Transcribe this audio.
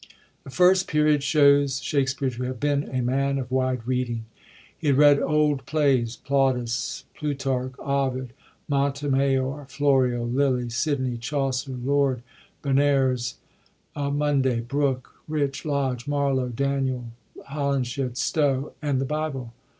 The First Period shows Shakspere to have been a man of wide reading. He had read old plays, Plautus, Plutarch, Ovid, Montemayor, Florio, Lyly, Sidney, Chaucer, Lord Berners, Munday, Brooke, Rich, Lodge, Marlowe, Daniel, Holinshed, Stowe, and the Bible.